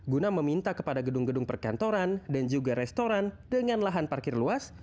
guna meminta kepada gedung gedung perkantoran dan juga restoran dengan lahan parkir luas